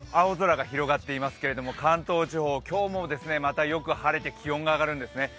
この後ろ、青空が広がっていますけれども、関東地方、今日もまたよく晴れて気温が上がるんですね。